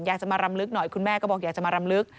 อยากจะมารำลึกหน่อยคุณแม่ก็บอกอยากจะมารำลึก